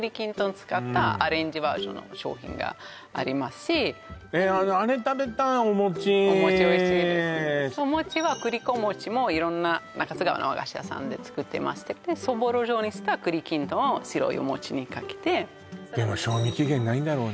使ったアレンジバージョンの商品がありますしえっあれ食べたいお餅お餅おいしいですお餅は栗粉餅もいろんな中津川の和菓子屋さんで作っていましてそぼろ状にした栗きんとんを白いお餅にかけてでも賞味期限ないんだろうね